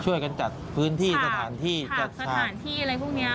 ช่วยกันจัดพื้นที่สถานที่จัดสถานที่อะไรพวกนี้